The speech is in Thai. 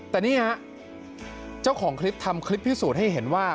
แต่นี่ฮะเจ้าของคลิปทำคลิปพิสูจน์ให้เห็นว่า